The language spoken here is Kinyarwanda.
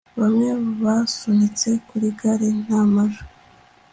Bamwe basunitse kuri gale nta majwi